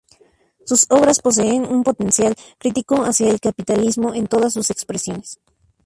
Sus obras poseen un potencial crítico hacia el capitalismo en todas sus expresiones.